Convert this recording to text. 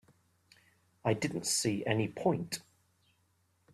I didn't see any point.